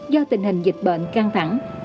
do tình hình dịch bệnh căng thẳng